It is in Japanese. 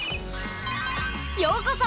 ようこそ！